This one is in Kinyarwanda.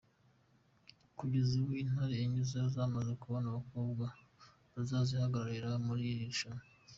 Kugeza ubu, Intara enye zo zamaze kubona abakobwa bazazihagararira muri iri rushanwa.